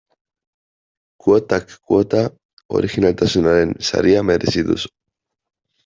Kuotak kuota, orijinaltasunaren saria merezi duzu.